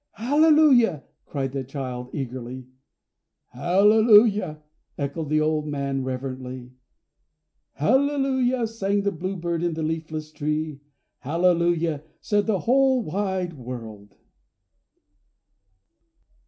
"Hallelujah!" cried the child, eagerly. "Hallelujah!" echoed the old man, reverently. "Hallelujah!" sang the bluebird in the leafless tree. "Hallelujah!" said the whole wide world.